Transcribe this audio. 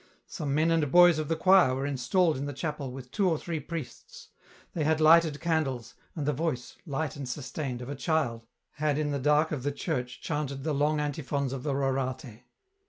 Some men and boys of the choir were installed in the chapel, with two or three priests ; they had lighted candles, and the voice, light and sustained, of a child, had in the dark of the church chanted the long antiphons of the " Rorate."